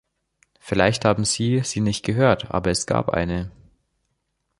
Vielleicht haben Sie sie nicht gehört, aber es gab eine.